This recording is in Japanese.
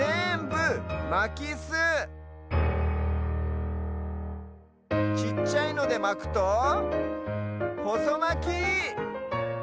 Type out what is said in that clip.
まきすちっちゃいのでまくとほそまき！